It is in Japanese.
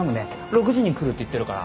６時に来るって言ってるから。